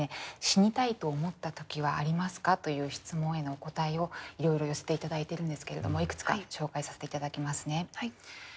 「死にたいと思った時はありますか？」という質問へのお答えをいろいろ寄せて頂いてるんですけれどもいくつか紹介させて頂きますね。